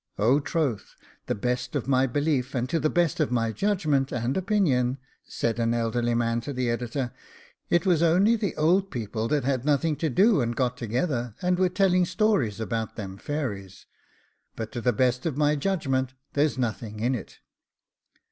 'Oh, troth, to the best of my belief, and to the best of my judgment and opinion,' said an elderly man to the Editor, 'it was only the old people that had nothing to do, and got together, and were telling stories about them fairies, but to the best of my judgment there's nothing in it.